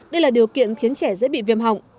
đây là điều kiện khiến trẻ dễ bị viêm họng